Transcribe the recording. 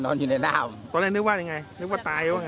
นอนอยู่ในน่ามตอนแรกนึกว่ายังไงนึกว่าตายหรือไง